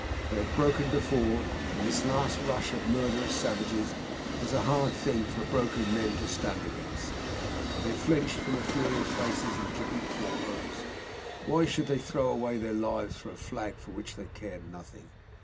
They had broken before, and this last rush of murderous savages was a hard thing for broken men to stand against. They flinched from the furious faces and dripping forearms. Why should they throw away their lives for a flag for which they cared nothing?